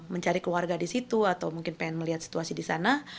mencari keluarga di situ atau mungkin pengen melihat situasi di sana